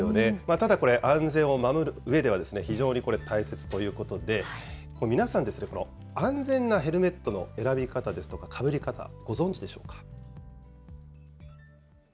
ただこれ、安全を守るうえでは、非常に大切ということで、皆さん、安全なヘルメットの選び方ですとか、かぶり方、ご存じでしょうか。